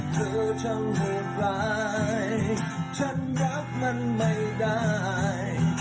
เธอจำเหตุรายฉันรับมันไม่ได้